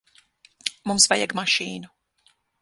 Mums vajag mašīnu.